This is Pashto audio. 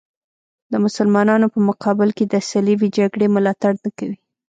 د مسلمانانو په مقابل کې د صلیبي جګړې ملاتړ نه کوي.